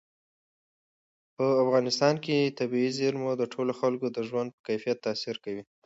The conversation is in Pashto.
په افغانستان کې طبیعي زیرمې د ټولو خلکو د ژوند په کیفیت تاثیر کوي.